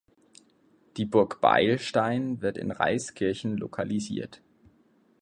Die Burg Beilstein wird in Reiskirchen lokalisiert.